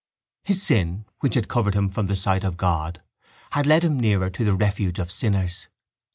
_ His sin, which had covered him from the sight of God, had led him nearer to the refuge of sinners.